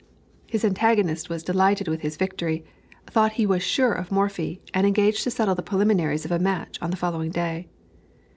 His antagonist was delighted with his victory, thought he was sure of Morphy, and engaged to settle the preliminaries of a match on the following day.